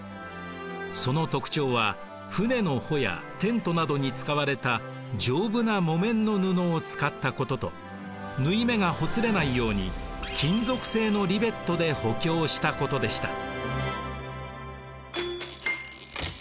その特徴は船の帆やテントなどに使われた丈夫な木綿の布を使ったことと縫い目がほつれないように金属製のリベットで補強したことでした。